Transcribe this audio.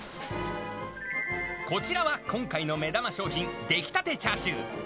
こちらは今回の目玉商品、出来たてチャーシュー。